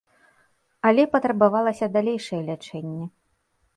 Але патрабавалася далейшае лячэнне.